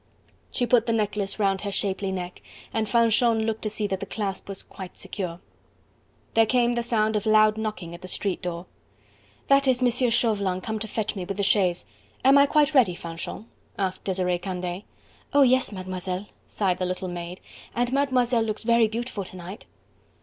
She put the necklace round her shapely neck and Fanchon looked to see that the clasp was quite secure. There came the sound of loud knocking at the street door. "That is M. Chauvelin come to fetch me with the chaise. Am I quite ready, Fanchon?" asked Desiree Candeille. "Oh yes, Mademoiselle!" sighed the little maid; "and Mademoiselle looks very beautiful to night."